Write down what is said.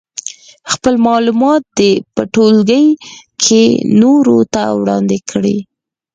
خپل معلومات دې په ټولګي کې نورو ته وړاندې کړي.